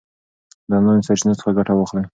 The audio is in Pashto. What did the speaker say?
د آنلاین سرچینو څخه ګټه واخلئ.